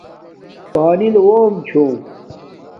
پانی لُووم چھوم